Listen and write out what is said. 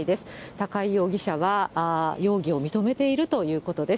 高井容疑者は容疑を認めているということです。